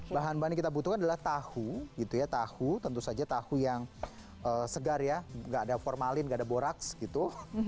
bahan bahan yang kita butuhkan adalah tahu gitu ya tahu tentu saja tahu yang segar ya nggak ada formalin gak ada boraks gitu